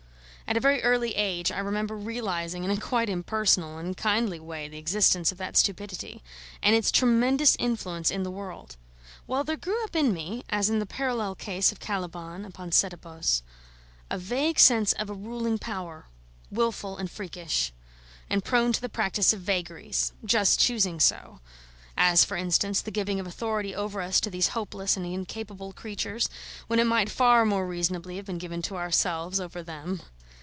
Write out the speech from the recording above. At a very early age I remember realising in a quite impersonal and kindly way the existence of that stupidity, and its tremendous influence in the world; while there grew up in me, as in the parallel case of Caliban upon Setebos, a vague sense of a ruling power, wilful and freakish, and prone to the practice of vagaries "just choosing so:" as, for instance, the giving of authority over us to these hopeless and incapable creatures, when it might far more reasonably have been given to ourselves over them.